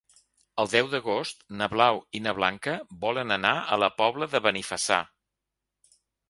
El deu d'agost na Blau i na Blanca volen anar a la Pobla de Benifassà.